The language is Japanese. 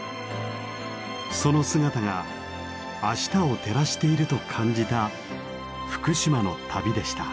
その姿が明日を照らしていると感じた福島の旅でした。